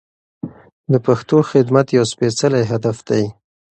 د پښتو خدمت یو سپېڅلی هدف دی.